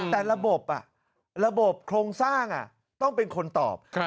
แต่ระบบระบบโครงสร้างต้องเป็นคนตอบ